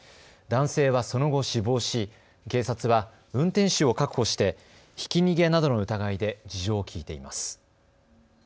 男性はその後死亡し、警察は運転手を確保してひき逃げなどの疑いで事情を聴いています。